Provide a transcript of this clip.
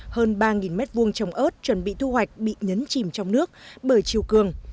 hơn ba m hai trồng ớt chuẩn bị thu hoạch bị nhấn chìm trong nước bởi chiều cường